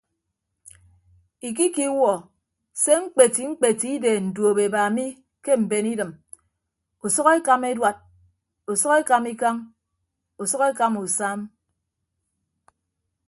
Ikikiwuọ se mkpeti mkpeti ideen duopeba mi ke mben idịm usʌk ekama eduad usʌk ekama ikañ usʌk ekama usam.